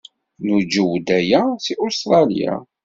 Nuǧew-d aya seg Ustṛalya.